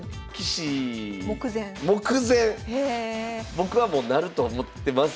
僕はもうなると思ってます。